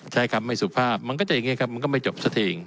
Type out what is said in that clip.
ใช้คำไม่สุภาพมันก็จะอย่างนี้ครับมันก็ไม่จบสักที